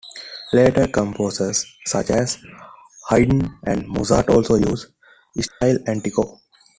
Later composers such as Haydn and Mozart also used "stile antico".